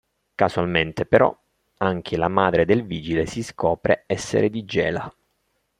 Casualmente, però, anche la madre del vigile si scopre essere di Gela.